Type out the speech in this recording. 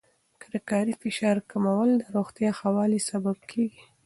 د کاري فشار کمول د روغتیا ښه والي سبب کېږي.